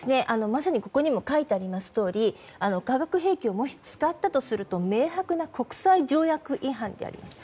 まさにここにも書いてありますように化学兵器をもし使ったとすると明白な国際条約違反であります。